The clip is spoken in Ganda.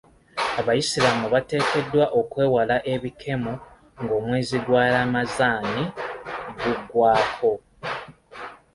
Abayisiraamu bateekeddwa okwewala ebikemo ng'omwezi gwa Lamanzaani guggwako.